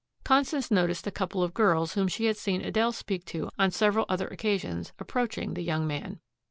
Constance noticed a couple of girls whom she had seen Adele speak to on several other occasions approaching the young man.